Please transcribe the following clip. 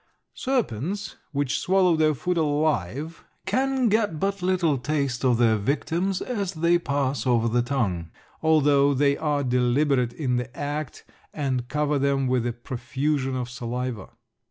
Serpents which swallow their food alive can get but little taste of their victims as they pass over the tongue, although they are deliberate in the act and cover them with a profusion of saliva.